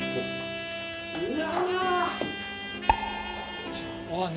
うわ！